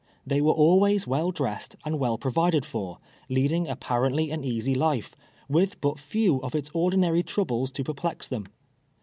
They were always well dressed and well provided for, leading apparently an easy life, with but few of its ordinary troubles to perplex them.